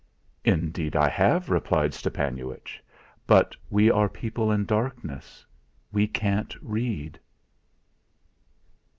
"Indeed, I have," replied Stepanuitch; "but we are people in darkness; we can't read."